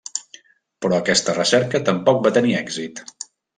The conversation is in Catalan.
Però aquesta recerca tampoc va tenir èxit.